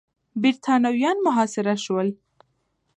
برتانويان محاصره سول.